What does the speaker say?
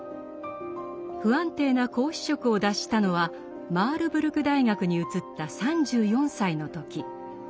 不安定な講師職を脱したのはマールブルク大学に移った３４歳の時。